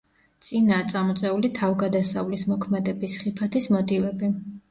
წინაა წამოწეული თავგადასავლის, მოქმედების, ხიფათის მოტივები.